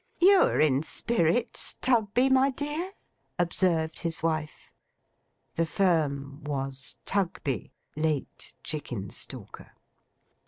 'You're in spirits, Tugby, my dear,' observed his wife. The firm was Tugby, late Chickenstalker.